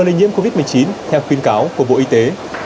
lây nhiễm covid một mươi chín theo khuyến cáo của bộ y tế